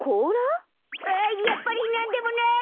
やっぱりなんでもない！